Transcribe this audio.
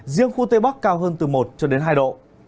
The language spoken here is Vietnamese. riêng khu tây bắc cao hơn từ một cho đến hai độ